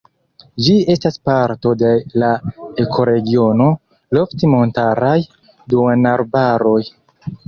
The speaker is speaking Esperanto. Ĝi estas parto de la ekoregiono lofti-montaraj duonarbaroj.